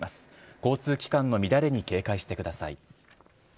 交通機関の乱れに警戒してください。